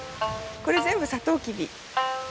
これ全部サトウキビ。